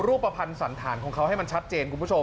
รูปภัณฑ์สันธารของเขาให้มันชัดเจน